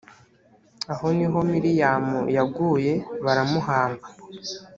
aho ni ho miriyamu yaguye, baramuhamba.